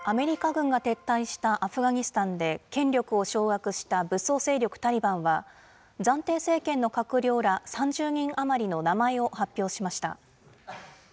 アメリカ軍が撤退したアフガニスタンで、権力を掌握した武装勢力タリバンは、暫定政権の閣僚ら３０人余りの名前を発表しました。